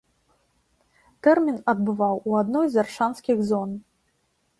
Тэрмін адбываў у адной з аршанскіх зон.